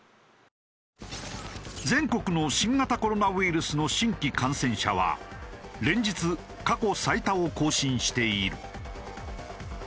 全国の新型コロナウイルスの新規感染者は連日過去最多を更新している。